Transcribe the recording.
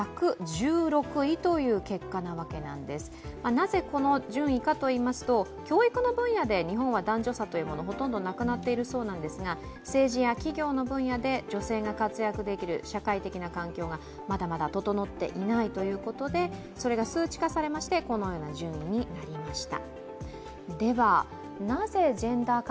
なぜ、この順位かといいますと、教育の分野で日本は男女差というものがほとんどなくなっているそうなんですが、政治や企業の分野で女性が活躍できる社会的な環境がまだまだ整っていないということで、それが数値化されましてこのような順位になりました。